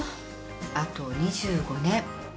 あと２５年。